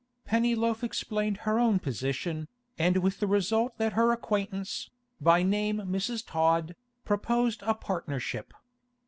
Pennyloaf explained her own position, and with the result that her acquaintance, by name Mrs. Todd, proposed a partnership.